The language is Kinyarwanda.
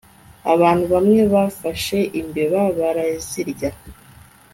abantu bamwe bafashe imbeba barazirya